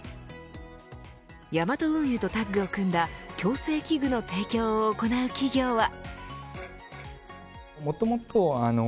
ヤマト運輸とタッグを組んだ矯正器具の提供を行う企業は。